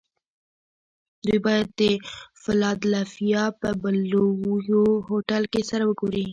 دوی باید د فلادلفیا په بلوویو هوټل کې سره و ګوري